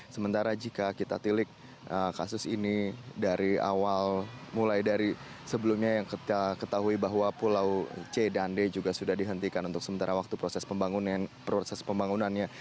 sementara jika kita tilik kasus ini dari awal mulai dari sebelumnya yang kita ketahui bahwa pulau c dan d juga sudah dihentikan untuk sementara waktu proses pembangunannya